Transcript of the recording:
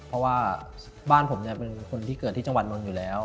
เพราะว่าบ้านผมเนี่ยเป็นคนที่เกิดที่จังหวัดนนท์อยู่แล้ว